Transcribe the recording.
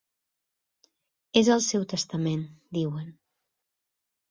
És el seu testament, diuen.